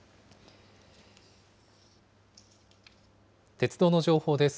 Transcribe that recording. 鉄道の情報です。